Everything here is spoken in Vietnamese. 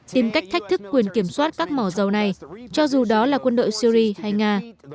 tìm cách thách thức quyền kiểm soát các mỏ dầu này cho dù đó là quân đội syri hay nga